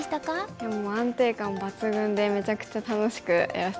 いやもう安定感抜群でめちゃくちゃ楽しくやらせて頂きました。